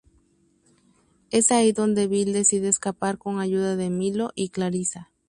Es ahí donde Bill decide escapar con ayuda de Milo y Clarisa.